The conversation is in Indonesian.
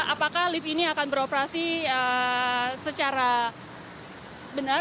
apakah lift ini akan beroperasi secara benar